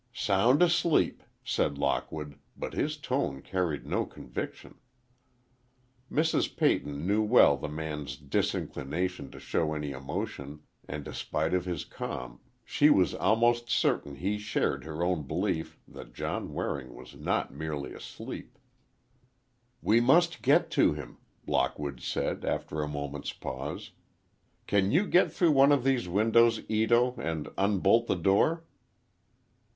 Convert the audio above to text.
"Sound asleep," said Lockwood, but his tone carried no conviction. Mrs. Peyton well knew the man's disinclination to show any emotion, and in spite of his calm, she was almost certain he shared her own belief that John Waring was not merely asleep. "We must get to him," Lockwood said, after a moment's pause. "Can you get through one of these windows, Ito, and unbolt the door?"